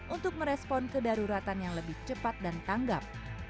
untuk merespon kedaruratan yang lebih cepat dan tanggap